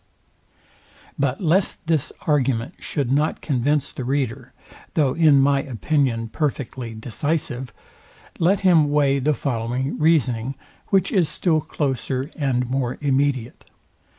But lest this argument should not convince the reader; though in my opinion perfectly decisive; let him weigh the following reasoning, which is still closer and more immediate.